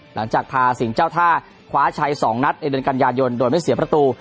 หลังจากพาสิงห์เจ้าท่าคว้าชัย๒นัดในเดือนกันยายนโดยไม่เสียประตู